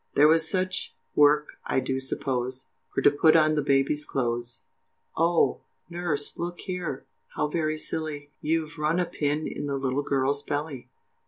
There was such work I do suppose, For to put on the baby's clothes, Oh, nurse, look here, how very silly, You've run a pin in the little girl's belly.